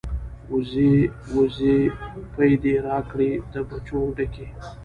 ـ وزې وزې پۍ دې راکړې د پچو ډکې.